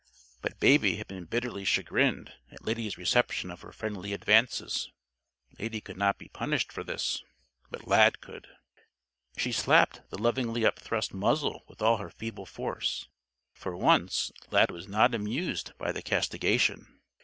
But Baby had been bitterly chagrined at Lady's reception of her friendly advances. Lady could not be punished for this. But Lad could. She slapped the lovingly upthrust muzzle with all her feeble force. For once, Lad was not amused by the castigation.